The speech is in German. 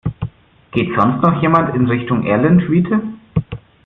Geht sonst noch jemand in Richtung Erlentwiete?